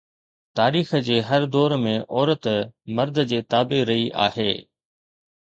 تاريخ جي هر دور ۾ عورت مرد جي تابع رهي آهي